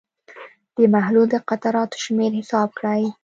د محلول د قطراتو شمېر حساب کړئ.